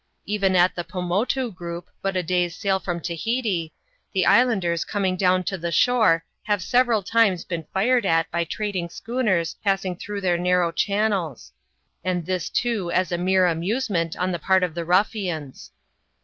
Even at the Pomotu group, but a day's sail from Tahiti, the islanders coming down to the shore have several times been fired at by trading schooners passing through their narrow channels ; and this too as a mere amusement on the part of the ruffians.